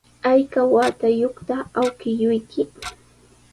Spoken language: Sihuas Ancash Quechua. ¿Ayka watayuqta awkilluyki?